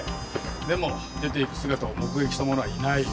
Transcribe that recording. でも出ていく姿を目撃した者はいない。